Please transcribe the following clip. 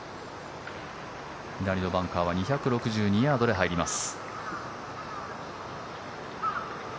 左のバンカーは２６２ヤードで入ります。